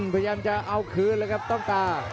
พยายามจะเอาคืนเลยครับต้องตา